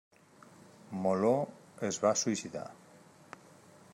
Moló es va suïcidar.